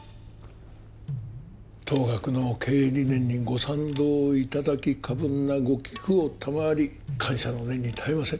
当学の経営理念にご賛同いただき過分なご寄付を賜り感謝の念にたえません